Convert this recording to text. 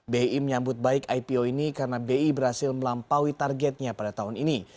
bi menyambut baik ipo ini karena bi berhasil melampaui targetnya pada tahun ini